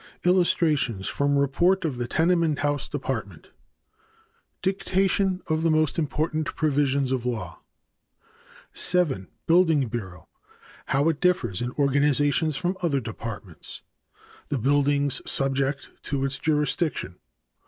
Illustrations from report of the Tenement House Department. Dictation of most important provisions of law. 7. Building Bureau. How it differs in organization from other departments. The buildings subject to its jurisdiction.